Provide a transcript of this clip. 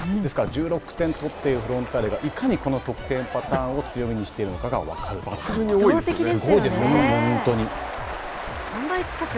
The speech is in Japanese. ですから、１６点を取っているフロンターレがいかにこの得点パターンを強みにしているのかが分かると思います。